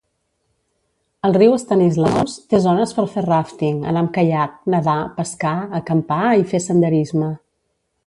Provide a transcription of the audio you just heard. El riu Stanislaus té zones per fer ràfting, anar amb caiac, nedar, pescar, acampar i fer senderisme.